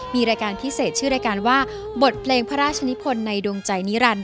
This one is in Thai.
มีรายการพิเศษชื่อรายการว่าบทเพลงพระราชนิพลในดวงใจนิรันดิ